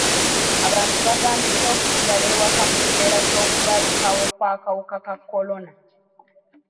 Abantu bagambiddwa okusigala ewaka mu kiseera ky'okubalukawo kw'akawuka ka kolona.